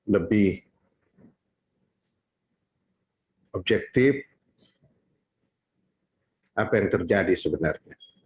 lebih objektif apa yang terjadi sebenarnya